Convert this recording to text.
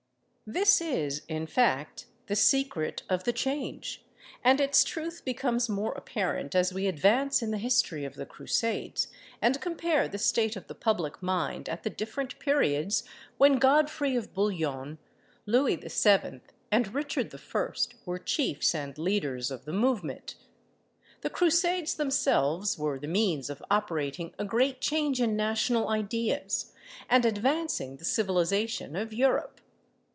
This is, in fact, the secret of the change; and its truth becomes more apparent as we advance in the history of the Crusades, and compare the state of the public mind at the different periods when Godfrey of Bouillon, Louis VII., and Richard I., were chiefs and leaders of the movement. The Crusades themselves were the means of operating a great change in national ideas, and advancing the civilisation of Europe.